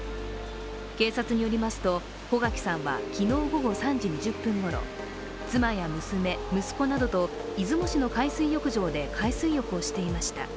警察によりますと、穗垣さんは昨日午後３時２０分ごろ、妻や娘、息子などと出雲市の海水浴場で海水浴をしていました。